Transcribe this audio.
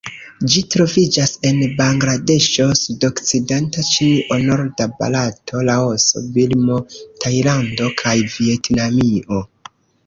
Ĝi troviĝas en Bangladeŝo, sudokcidenta Ĉinio, norda Barato, Laoso, Birmo, Tajlando kaj Vjetnamio.